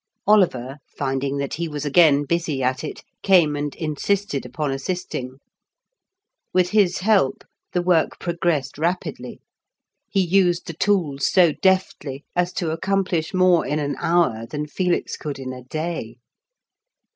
Oliver, finding that he was again busy at it, came and insisted upon assisting. With his help, the work progressed rapidly. He used the tools so deftly as to accomplish more in an hour than Felix could in a day.